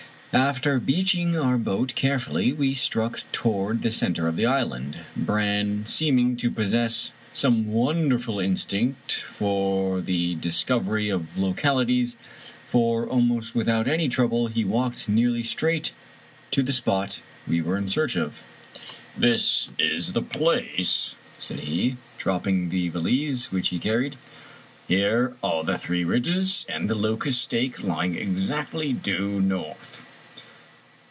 After beaching our boat carefully, we struck toward the center of the island, Brann seeming to possess some wonderful instinct for the discov ery of localities, for almost without any trouble he walked nearly straight to the spot we were in search of. " This is the ojace," said he, dropping the valise which 43 Irish Mystery Stories he carried. " Here are the three ridges and the locust stake lying exactly due north.